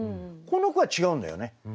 この句は違うんだよね。